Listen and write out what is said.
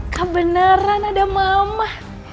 kebeneran ada mama